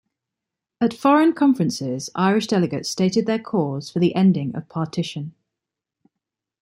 At foreign conferences, Irish delegates stated their cause for the ending of partition.